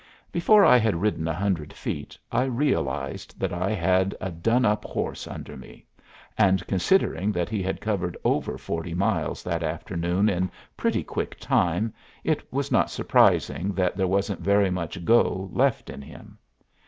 Before I had ridden a hundred feet I realized that I had a done up horse under me, and, considering that he had covered over forty miles that afternoon in pretty quick time, it was not surprising that there wasn't very much go left in him.